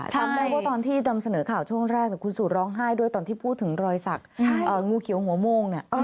ชัดไม่บอกที่ตามเสนอข่าวช่วงแรกคุณสู่ร้องไห้ด้วยตอนพูดถึงรอยศักดิ์งูเขียวหัวม่วง